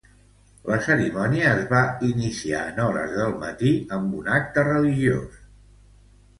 La cerimònia es va iniciar en hores del matí amb un acte religiós.